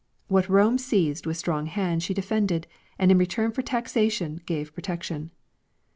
What Rome seized with strong hand she defended, and in return for taxation gave pro tection.